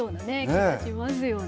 気がしますよね。